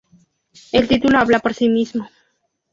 El título habla por sí mismo.